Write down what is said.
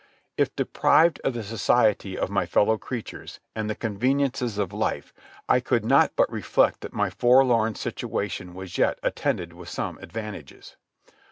If deprived of the society of my fellow creatures, and of the conveniences of life, I could not but reflect that my forlorn situation was yet attended with some advantages.